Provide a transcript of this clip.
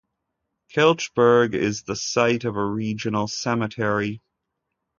Kilchberg is the site of a regional cemetery.